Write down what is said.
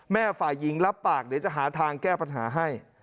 ฝ่ายหญิงรับปากเดี๋ยวจะหาทางแก้ปัญหาให้